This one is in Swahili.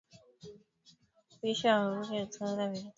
Upishi wa mvuke hutunza virutubisho vya viazi lishe